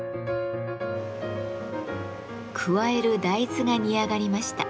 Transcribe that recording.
加える大豆が煮上がりました。